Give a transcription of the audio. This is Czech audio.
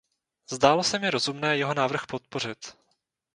Zdálo se mi rozumné jeho návrh podpořit.